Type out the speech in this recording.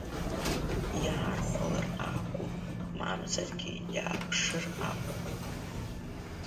Иаархәалар акәу, мамзаргьы иааԥшыр акәу?